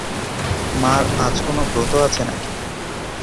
মার আজ কোনো ব্রত আছে নাকি!